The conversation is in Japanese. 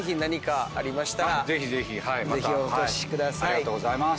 ありがとうございます。